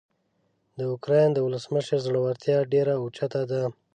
د اوکراین د ولسمشر زړورتیا ډیره اوچته ده.